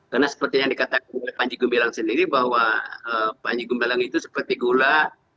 karena seperti yang dikatakan oleh panji gumilang sendiri bahwa panji gumilang itu seperti gula